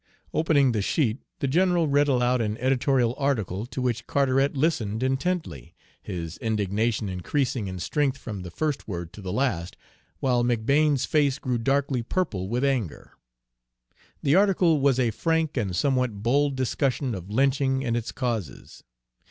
Opening the sheet the general read aloud an editorial article, to which Carteret listened intently, his indignation increasing in strength from the first word to the last, while McBane's face grew darkly purple with anger. The article was a frank and somewhat bold discussion of lynching and its causes.